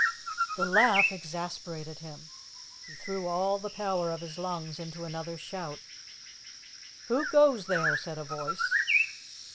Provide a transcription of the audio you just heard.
The laugh exasperated him. He threw all the power of his lungs into another shout. "Who goes there?" said a voice.